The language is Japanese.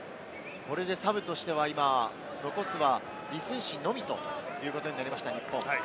これでサブとしては残すは李承信のみということになりました日本。